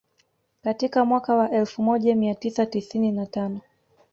katika mwaka wa elfu moja mia tisa tisini na tano